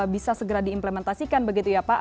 bisa segera diimplementasikan begitu ya pak